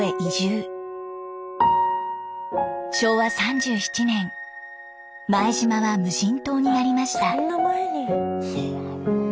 昭和３７年前島は無人島になりました。